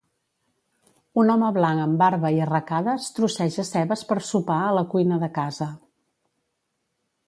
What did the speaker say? Un home blanc amb barba i arracades trosseja cebes per sopar a la cuina de casa.